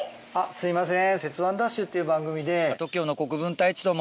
すいません。